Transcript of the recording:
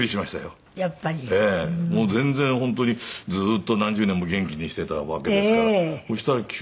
もう全然本当にずっと何十年も元気にしてたわけですから。